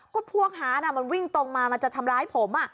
ก็พวกฮาร์ดมันวิ่งตรงมามันจะทำร้ายผม